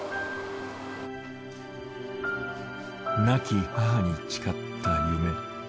亡き母に誓った夢。